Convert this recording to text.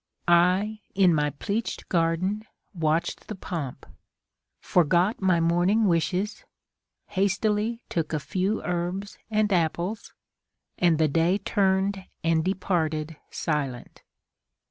I, in my pleached garden, watched the pomp, Forgot my morning wishes, hastily Took a few herbs and apples, and the Day Turned and departed silent.